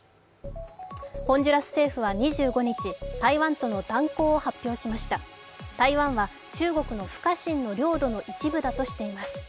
ホンジュラス政府は２５日台湾との断行を発表しました台湾との不可侵の領土の一部だとしています。